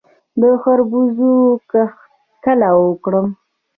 د خربوزو کښت کله وکړم؟